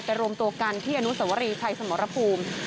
รวมตัวกันที่อนุสวรีชัยสมรภูมิ